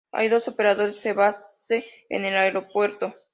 Hay dos operadores de base en el aeropuerto.